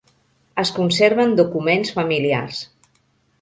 Es conserven documents familiars.